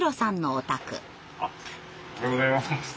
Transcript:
おはようございます。